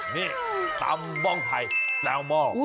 เนี่ยตำบ้องไหว้แซวมอร์